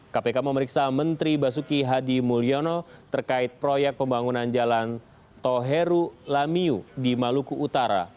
kpk memeriksa menteri basuki hadi mulyono terkait proyek pembangunan jalan toheru lamiu di maluku utara